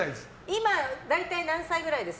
今、大体何歳くらいです？